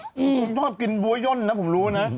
ผมชอบกินบัวย่นนะผมรู้นะ